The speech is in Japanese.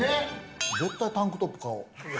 絶対タンクトップ買おう。